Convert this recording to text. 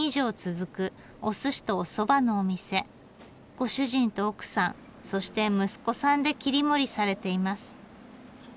ご主人と奥さんそして息子さんで切り盛りされています。